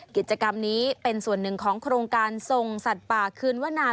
กิจกรรมนี้เป็นส่วนหนึ่งของโครงการส่งสัตว์ป่าคืนวนา